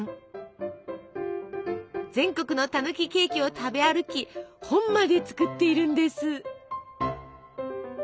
全国のたぬきケーキを食べ歩き本まで作っているんです。